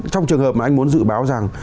trong trường hợp mà anh muốn dự báo rằng